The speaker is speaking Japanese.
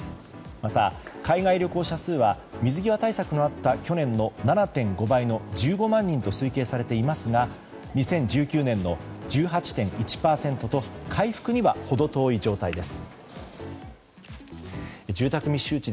また、海外旅行者数は水際対策のあった去年の７．５倍の１５万人と推計されていますが２０１９年の１８．１％と回復には程遠い状態です。